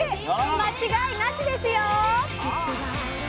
間違いなしですよ！